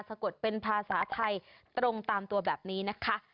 สะกดเป็นภาษาไทยตรงตามตัวแบบนี้นะคะ